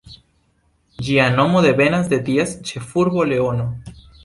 Ĝia nomo devenas de ties ĉefurbo Leono.